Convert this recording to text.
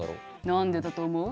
何でだと思う？